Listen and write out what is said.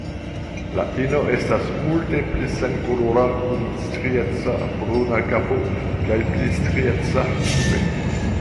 La ino estas multe pli senkolora, kun strieca bruna kapo kaj pli strieca sube.